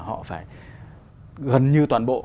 họ phải gần như toàn bộ